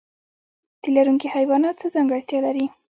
تی لرونکي حیوانات څه ځانګړتیا لري؟